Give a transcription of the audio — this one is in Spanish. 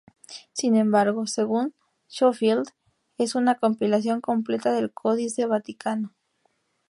Sin embargo, según Schofield, es una compilación completa del Códice Vaticano.